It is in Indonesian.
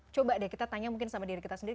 coba deh kita tanya mungkin sama diri kita sendiri